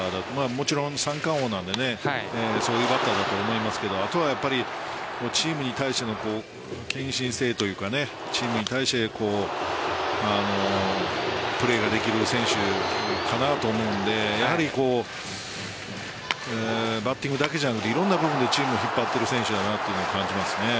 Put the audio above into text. もちろん三冠王なのでそういうバッターだとは思いますがあとはチームに対しての献身性というかチームに対してプレーができる選手かなと思うのでやはりバッティングだけじゃなくいろんな部分でチームを引っ張っている選手だなと感じます。